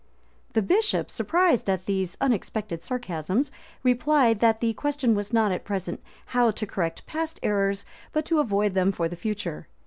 [*] The bishops, surprised at these unexpected sarcasms, replied, that the question was not at present how to correct past errors, but to avoid them for the future.